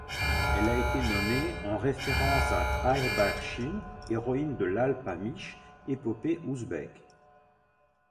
Elle a été nommée en référence à Aibarchin, héroïne de l'Alpamych, épopée ouzbèke.